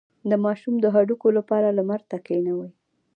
د ماشوم د هډوکو لپاره لمر ته کینوئ